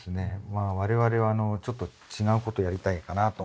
まあ我々はちょっと違うことやりたいかなと思うんです。